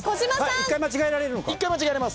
１回間違えられます。